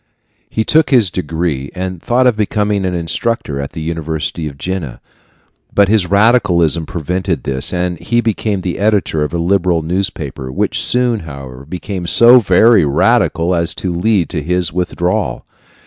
He took his degree, and thought of becoming an instructor at the university of Jena; but his radicalism prevented this, and he became the editor of a liberal newspaper, which soon, however, became so very radical as to lead to his withdrawal.